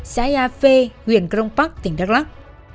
xá yà phê huyện crong park tỉnh đắk lắc